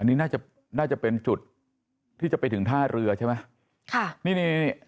อันนี้น่าจะน่าจะเป็นจุดที่จะไปถึงท่าเรือใช่ไหม